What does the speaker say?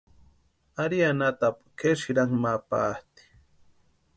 Ari anhatapu kʼeri sïrankwa ma patʼi.